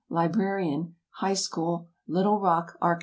Librarian, High School, Little Rock, Ark.